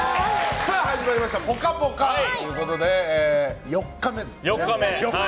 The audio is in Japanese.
さあ、始まりました「ぽかぽか」ということで４日目ですね。